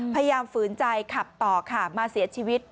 พยายามฝืนใจขับต่อขาบมาเสียชีวิต